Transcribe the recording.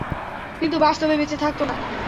কিন্তু বাস্তবে বেচেঁ থাকত না।